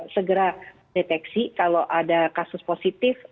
segera deteksi kalau ada kasus positif